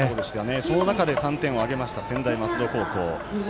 その中で３点を挙げました専大松戸高校。